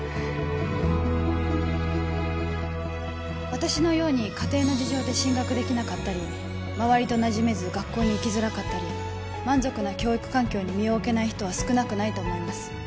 私のように家庭の事情で進学できなかったり周りとなじめず学校に行きづらかったり満足な教育環境に身を置けない人は少なくないと思います